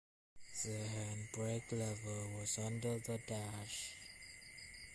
The handbrake lever was under the dash.